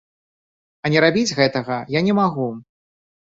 А не рабіць гэтага я не магу.